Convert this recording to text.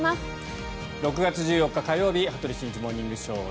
６月１４日、火曜日「羽鳥慎一モーニングショー」。